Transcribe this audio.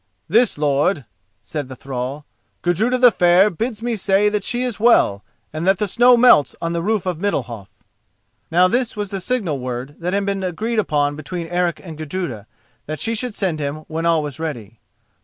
"This, lord," said the thrall: "Gudruda the Fair bids me say that she is well and that the snows melt on the roof of Middalhof." Now this was the signal word that had been agreed upon between Eric and Gudruda, that she should send him when all was ready.